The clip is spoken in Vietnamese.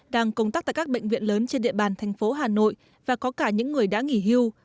đang công tác tại các bệnh viện lớn trên địa bàn thành phố hà nội và có cả những người đã nghỉ hưu